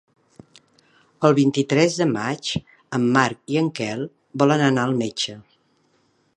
El vint-i-tres de maig en Marc i en Quel volen anar al metge.